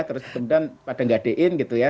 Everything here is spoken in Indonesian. terus kemudian pada ngadein gitu ya